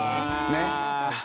ねっ。